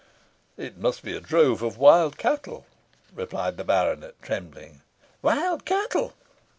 "It must be a drove of wild cattle," replied the baronet, trembling. "Wild cattle!"